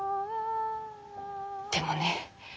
でもね